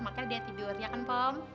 makanya dia tidur ya kan bu